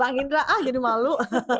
bang indra ah jadi malu